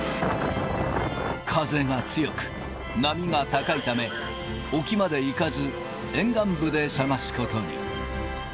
風が強く、波が高いため、沖まで行かず、沿岸部で探すことに。